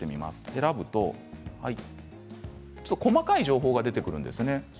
選ぶと細かい情報が出てくるんです。